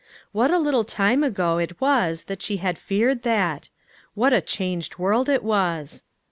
What a little time ago it was that she had feared that ! What a changed world it was